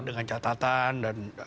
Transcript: dengan catatan dan